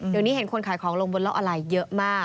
เดี๋ยวนี้เห็นคนขายของลงบนโลกออนไลน์เยอะมาก